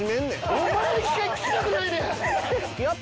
お前聞きたくないねん！